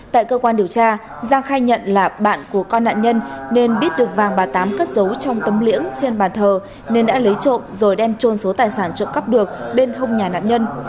tại cơ quan điều tra giang khai nhận là bạn của con nạn nhân nên biết được vàng bà tám cất giấu trong tấm liễng trên bàn thờ nên đã lấy trộm rồi đem trôn số tài sản trộm cắp được bên hông nhà nạn nhân